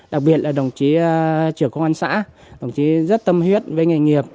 đặc biệt là đồng chí trưởng công an xã đồng chí rất tâm huyết với nghề nghiệp